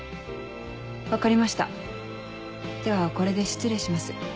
分かりましたではこれで失礼します。